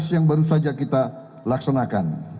yang baru saja kita laksanakan